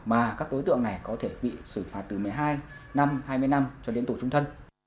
mà các đối tượng này có thể bị xử phạt từ một mươi hai năm hai mươi năm cho đến tù trung thân